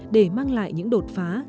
để mang lại những đột phá